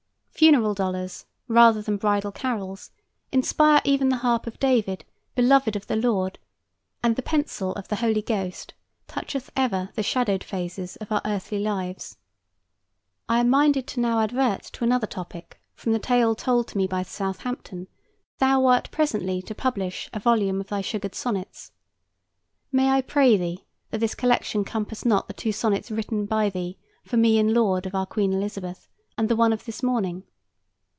Funeral dolors rather than bridal carols inspire even the harp of David, beloved of the Lord; and the pencil of the Holy Ghost toucheth ever the shadowed phases of our earthly lives. I am minded to now advert to another topic from the tale told me by Southampton that thou wert presently to publish a volume of thy sugared sonnets. May I pray thee that this collection compass not the two sonnets written by thee for me in laud of our Queen Elizabeth, and the one of this morning?